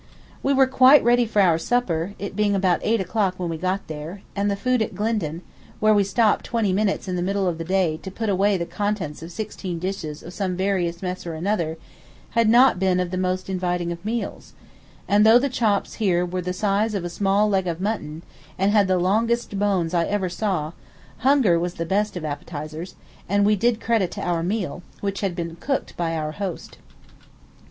We were quite ready for our supper, it being about 8 o'clock when we got here; and the food at Glyndon, where we stopped twenty minutes in the middle of the day to "put away" the contents of sixteen dishes of some various mess or another, had not been of the most inviting of meals; and though the chops here were the size of a small leg of mutton and had the longest bones I ever saw, hunger was the best of appetisers, and we did credit to our meal, which had been cooked by our host.